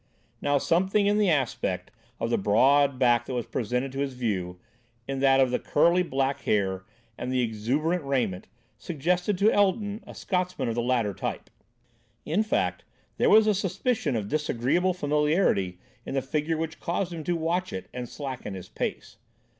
Now, something in the aspect of the broad back that was presented to his view, in that of the curly, black hair and the exuberant raiment, suggested to Elton a Scotsman of the latter type. In fact, there was a suspicion of disagreeable familiarity in the figure which caused him to watch it and slacken his pace.